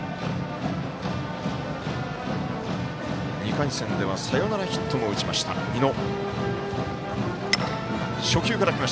２回戦では、サヨナラヒットも打ちました、美濃。